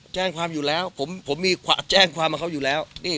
แจ้งความอยู่แล้วผมมีแจ้งความกับเขาอยู่แล้ว